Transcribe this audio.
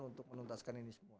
untuk menuntaskan ini semua